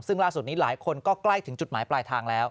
ซึ่งล่าสุดนี้หลายคนก็ใกล้ถึงจุดหมายปลายทางแล้ว